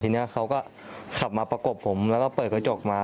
ทีนี้เขาก็ขับมาประกบผมแล้วก็เปิดกระจกมา